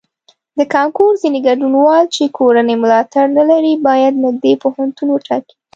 د کانکور ځینې ګډونوال چې کورنی ملاتړ نه لري باید نږدې پوهنتون وټاکي.